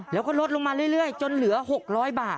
แล้วก็ลดลงมาเรื่อยจนเหลือ๖๐๐บาท